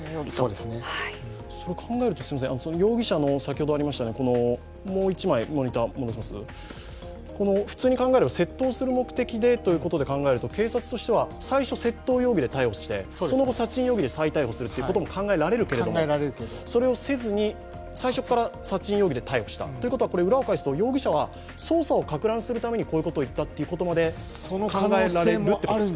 それ考えると容疑者の普通に考えれば窃盗をする目的でというと警察としては、最初、窃盗容疑で逮捕して、その後、殺人容疑で再逮捕するということも考えられるけれども、それをせずに、最初から殺人容疑で逮捕したということは、裏を返すと、容疑者は捜査をかく乱するためにこう言ったと考えられるということですか。